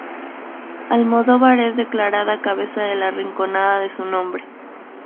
Almodóvar es declarada cabeza de la Rinconada de su nombre.